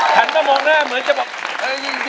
หันมามองหน้าเหมือนจะบอก